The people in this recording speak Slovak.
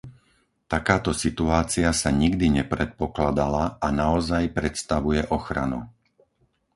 Takáto situácia sa nikdy nepredpokladala a naozaj predstavuje ochranu.